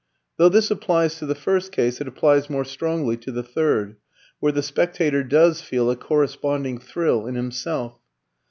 Though this applies to the first case, it applies more strongly to the third, where the spectator does feel a corresponding thrill in himself.